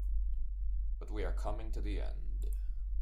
But we are coming to the end.